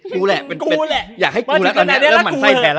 กูแหละเป็นอยากให้กูแล้วตอนนี้เริ่มหมั่นไส้แทนแล้ว